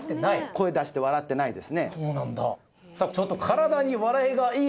声出して笑ってないですねそうなんだ